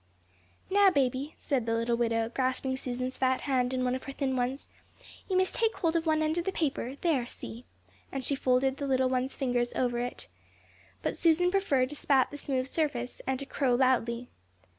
"Now, baby," said the little widow, grasping Susan's fat hand in one of her thin ones, "you must take hold of one end of the paper; there, see," and she folded the little one's fingers over it. But Susan preferred to spat the smooth surface, and to crow loudly.